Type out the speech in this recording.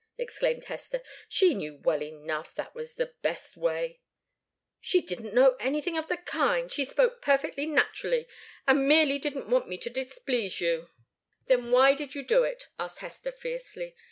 exclaimed Hester. "She knew well enough that was the best way " "She didn't know anything of the kind. She spoke perfectly naturally, and merely didn't want me to displease you " "Then why did you do it?" asked Hester, fiercely.